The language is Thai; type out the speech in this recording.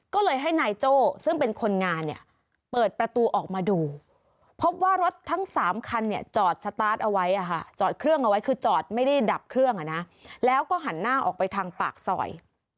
ก็เลยให้นายโจ้ซึ่งเป็นคนงานเนี่ยเปิดประตูออกมาดูพบว่ารถทั้ง๓คันเนี่ยจอดสตาร์ทเอาไว้จอดเครื่องเอาไว้คือจอดไม่ได้ดับเครื่องแล้วก็หันหน้าออกไปทางปากซอย